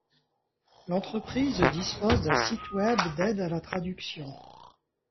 L'entreprise dispose d'un site web d'aide à la traduction.